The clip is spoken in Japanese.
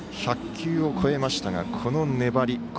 １００球を超えましたがこの粘り。